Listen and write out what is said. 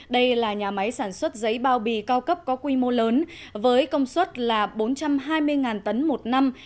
đây là nhà máy sản xuất giấy bao bì cao cấp có quy mô lớn với công suất là bốn trăm hai mươi tấn một năm